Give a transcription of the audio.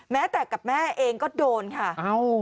แม้แต่กับแม่เองก็โดนค่ะ